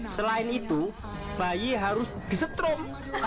selain itu bayi harus disetrom